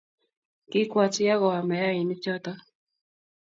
Kikwat ya koam mayainik choto